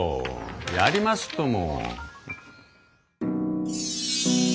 やりますとも！